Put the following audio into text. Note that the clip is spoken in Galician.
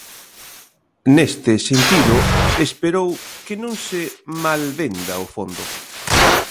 Neste sentido, esperou que non se "malvenda" o fondo.